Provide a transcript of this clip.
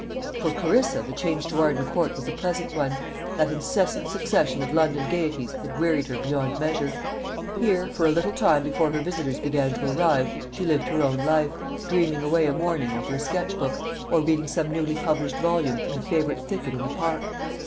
For Clarissa the change to Arden Court was a pleasant one. That incessant succession of London gaieties had wearied her beyond measure. Here, for a little time before her visitors began to arrive, she lived her own life, dreaming away a morning over a sketch book, or reading some newly published volume in a favourite thicket in the park.